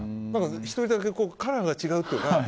１人だけカラーが違うというか。